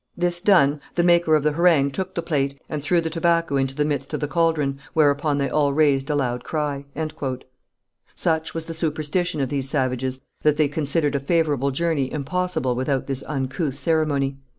This done, the maker of the harangue took the plate, and threw the tobacco into the midst of the caldron, whereupon they all raised a loud cry." Such was the superstition of these savages that they considered a favourable journey impossible without this uncouth ceremony.